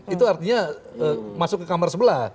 itu artinya masuk ke kamar sebelah